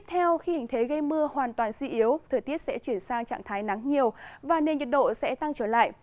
theo khi hình thế gây mưa hoàn toàn suy yếu thời tiết sẽ chuyển sang trạng thái nắng nhiều và nên nhiệt độ sẽ tăng trở lại